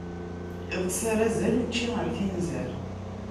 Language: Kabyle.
Iḍes ar azal, učči ar tinzar!